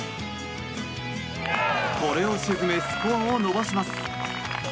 これを沈めスコアを伸ばします。